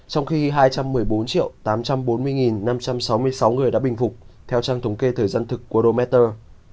trong khi hai trăm một mươi bốn tám trăm bốn mươi năm trăm sáu mươi sáu người đã bình phục theo trang thống kê thời gian thực của rometer